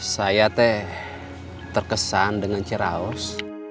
saya teh terkesan dengan ceraos